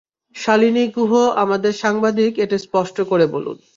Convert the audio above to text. শালিনী গুহ আমাদের সাংবাদিক এটা স্পষ্ট করে বলুন।